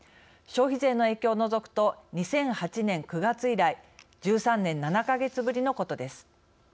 消費税の影響を除くと２００８年９月以来１３年７か月ぶりのことです。